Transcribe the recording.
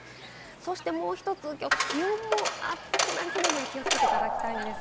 もう１つ、気温も暑くなりそうなので気をつけていただきたいです。